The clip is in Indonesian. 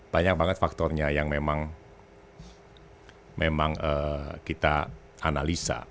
banyak banget faktornya yang memang kita analisa